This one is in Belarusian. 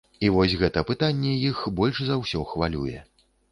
І вось гэта пытанне іх больш за ўсё хвалюе.